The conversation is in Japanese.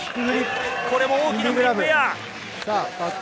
これも大きなビッグエア！